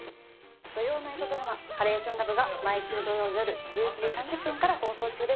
土曜ナイトドラマ『ハレーションラブ』が毎週土曜よる１１時３０分から放送中です。